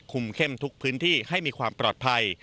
เข้มทุกพื้นที่ให้มีความปลอดภัย